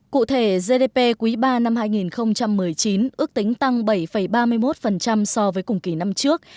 cụ thể gdp quý ba năm hai nghìn một mươi chín ước tính tăng bảy ba mươi một so với cùng kỳ năm trước